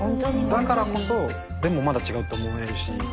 だからこそでもまだ違うって思えるし。